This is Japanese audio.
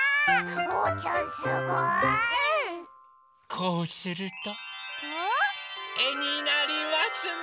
こうするとえになりますね。